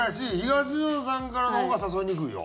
東野さんからの方が誘いにくいよ。